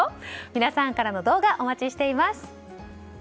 皆さんからの動画お待ちしています。